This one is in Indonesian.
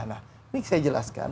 nah ini saya jelaskan